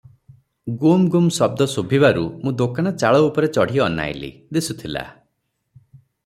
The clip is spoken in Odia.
ଗୁମ୍ଗୁମ୍ ଶଦ୍ଦ ଶୁଭିବାରୁ ମୁଁ ଦୋକାନ ଚାଳ ଉପରେ ଚଢ଼ି ଅନାଇଲି, ଦିଶୁଥିଲା ।